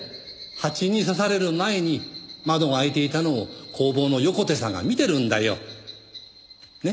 ハチに刺される前に窓が開いていたのを工房の横手さんが見てるんだよ。ね？